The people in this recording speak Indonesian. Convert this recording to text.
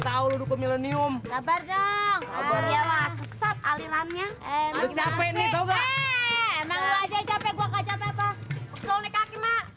tahu dulu ke milenium kabar dong abad alirannya capek capek